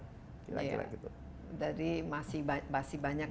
jadi masih banyak masyarakat